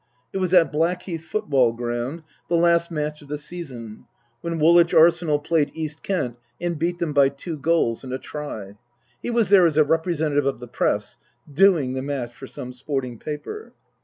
It was at Blackheath Football Ground, the last match of the season, when Woolwich Arsenal \ played East Kent and beat them by two goals and a try. \ He was there as a representative of the Press, " doing " the match for some sporting paper.